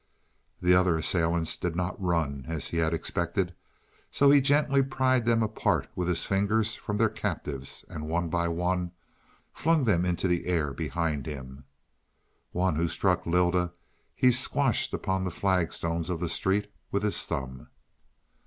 The other assailants did not run, as he had expected, so he gently pried them apart with his fingers from their captives, and, one by one, flung them into the air behind him. One who struck Lylda, he squashed upon the flagstones of the street with his thumb.